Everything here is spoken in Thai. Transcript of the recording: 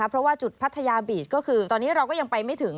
เพราะว่าจุดพัทยาบีชก็คือตอนนี้เราก็ยังไปไม่ถึง